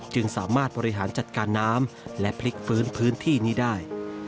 จึงสามารถบริหารจัดการน้ำและพลิกฟื้นพื้นที่นี้ได้